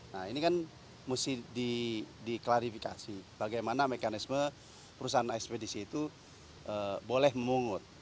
nah ini kan mesti diklarifikasi bagaimana mekanisme perusahaan ekspedisi itu boleh memungut